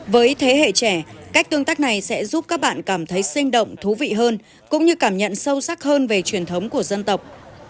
với thế hệ trẻ cách tương tác này sẽ giúp các bạn cảm thấy sinh động thú vị hơn cũng như cảm nhận sâu sắc hơn về truyền thống của dân tộc